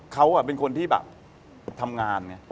เขาเป็นคนที่แบบทำงานไง